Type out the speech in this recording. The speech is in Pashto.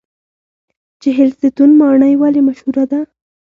چهلستون ماڼۍ ولې مشهوره ده؟